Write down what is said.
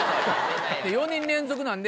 ４人連続なんで。